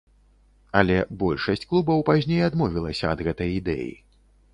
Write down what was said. Але большасць клубаў пазней адмовілася ад гэтай ідэі.